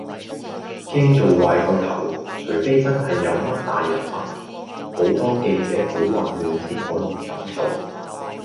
驚做壞個頭，除非真係有乜大人物，好多記者好混亂先可以咁做